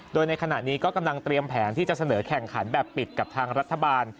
โดยในขณะนี้ก็กำลังเตรียมแผนที่จะเสนอแข่งขันแบบปิดกับทางรัฐบาล